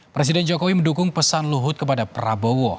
presiden jokowi mendukung pesan luhut kepada prabowo